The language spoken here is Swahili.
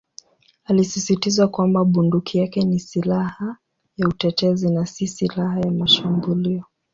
Alisisitiza kwamba bunduki yake ni "silaha ya utetezi" na "si silaha ya mashambulio".